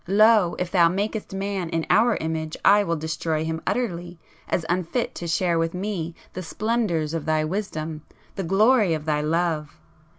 Lo, if thou makest Man in Our image I will destroy him utterly, as unfit to share with me the splendours of Thy Wisdom,—the glory of Thy love!